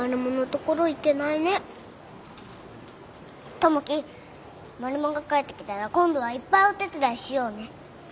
友樹マルモが帰ってきたら今度はいっぱいお手伝いしようね。